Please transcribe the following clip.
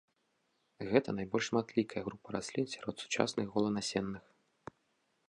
Гэта найбольш шматлікая група раслін сярод сучасных голанасенных.